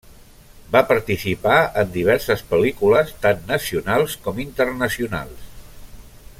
Va participar en diverses pel·lícules, tant nacionals, com internacionals.